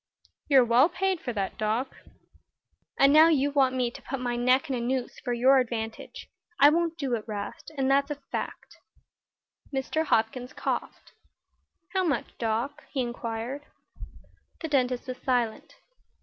"You're well paid for that, Doc." "And now you want me to put my neck in a noose for your advantage. I won't do it, 'Rast, and that's a fact." Mr. Hopkins coughed. "How much, Doc?" he inquired. The dentist was silent.